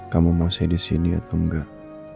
kamu mau saya di sini atau enggak